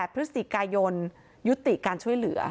พฤศจิกายนยุติการช่วยเหลือ